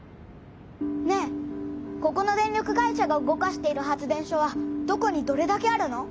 ねえここの電力会社が動かしている発電所はどこにどれだけあるの？